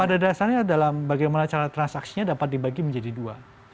pada dasarnya adalah bagaimana cara transaksinya dapat dibagi menjadi dua